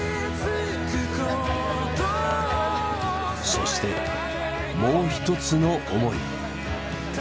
そしてもう一つの思い。